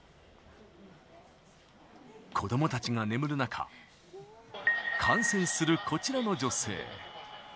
子供たちが眠る中、観戦するこちらの女性。